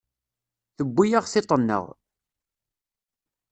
Tewwi-aɣ tiṭ-nneɣ.